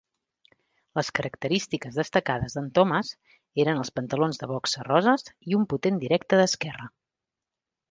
Les característiques destacades d'en Thomas eren els pantalons de boxa roses i un potent directe d'esquerra.